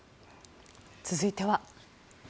続いては。